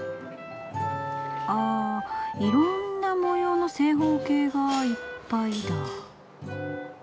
あいろんな模様の正方形がいっぱいだ。